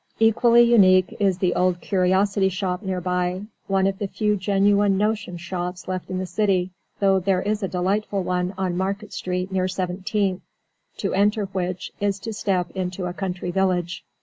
Equally unique is the old curiosity shop near by, one of the few genuine "notion" shops left in the city (though there is a delightful one on Market Street near Seventeenth, to enter which is to step into a country village).